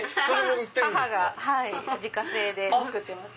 母が自家製で作ってます。